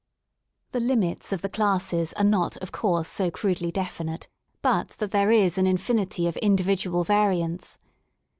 The limits of the classes are not of course so crudely definite but that there is an infinity of individual variants.